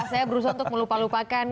saya berusaha untuk melupa lupakan